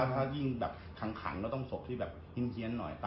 ถ้ายิ่งดังขังก็ต้องศพที่แบบเฮี๊นหน่อย